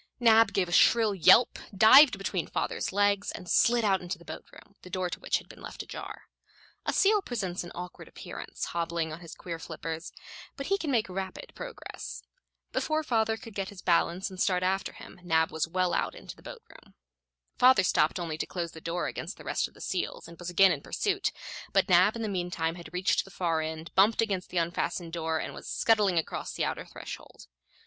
Nab gave a shrill yelp, dived between father's legs, and slid out into the boat room, the door to which had been left ajar. A seal presents an awkward appearance hobbling on his queer flippers, but he can make rapid progress. Before father could get his balance and start after him, Nab was well out into the boat room. Father stopped only to close the door against the rest of the seals, and was again in pursuit; but Nab in the meantime had reached the far end, bumped against the unfastened door and was scuttling across the outer threshold.